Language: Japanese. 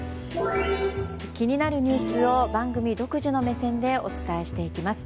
気になるニュースを番組独自の目線でお伝えしていきます。